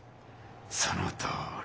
そのとおり！